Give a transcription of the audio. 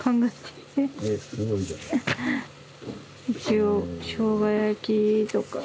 一応しょうが焼きとか。